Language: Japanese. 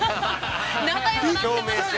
◆仲よくなってましたね。